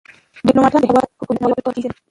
ډيپلومات د هیواد هویت نړېوالو ته ور پېژني.